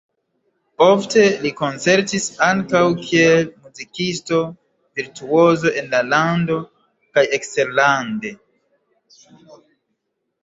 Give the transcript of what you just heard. Ofte li koncertis ankaŭ kiel muzikisto-virtuozo en la lando kaj eksterlande.